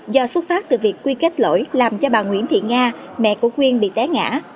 do xuất phát từ việc quy kết lỗi làm cho bà nguyễn thị nga mẹ của quyên bị té ngã